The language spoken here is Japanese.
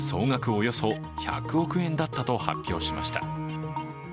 およそ１００億円だったと発表しました。